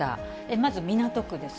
まず港区です。